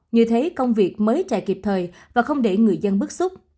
như thế công việc mới chạy kịp thời và không để người dân bức xúc